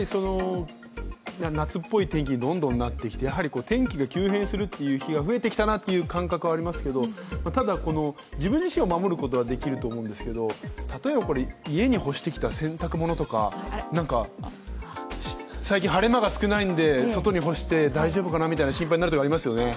夏っぽい天気にどんどんなってきて、天気が急変する日が増えてきたなという感覚がありますけれども、ただ自分自身は守ることができると思うんですけれども、例えば家に干してきた洗濯物とか、最近晴れ間が少ないんで、外に干して大丈夫かなみたいな心配になるときありますよね。